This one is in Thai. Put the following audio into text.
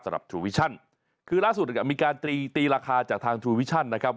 ทรูวิชั่นคือล่าสุดมีการตีตีราคาจากทางทูวิชั่นนะครับ